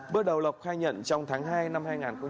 bước đầu lộc khai nhận trong tháng hai năm hai nghìn hai mươi